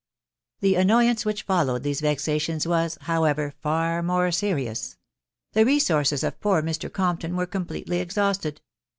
The annoyance <whioh (followed .these vexations was, how ever, far more serious : the resources of poor Mr. Compton were completely exhausted.